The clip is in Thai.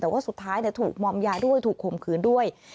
แต่ว่าสุดท้ายถูกมอมยาด้วยถูกข่มขืนด้วย